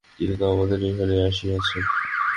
তিনি তো আমাদের এখানেই আসিয়াছেন।